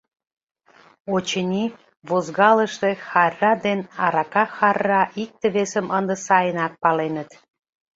Очыни, возгалыше-хӓрра ден арака-хӓрра икте-весым ынде сайынак паленыт.